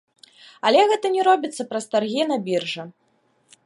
Але гэта не робіцца праз таргі на біржы.